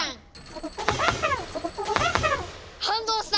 反応した！